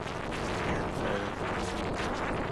Cảm ơn